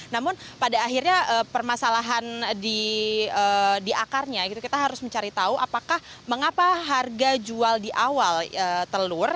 namun pada akhirnya permasalahan di akarnya kita harus mencari tahu apakah mengapa harga jual di awal telur